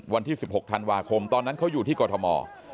วันที่๑๖ธันวาคมตอนนั้นเขาอยู่ที่กรทม